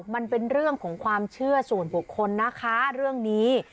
มันเป็นเรื่องของความเชื่อส่วนบุคคลนะคะเรื่องนี้